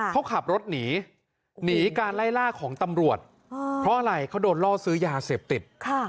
เขาขับรถหนีหนีการไล่ล่าของตำรวจเพราะอะไรเขาโดนล่อซื้อยาเสพติด